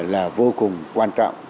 là vô cùng quan trọng